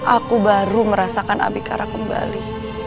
aku baru merasakan abikara kembali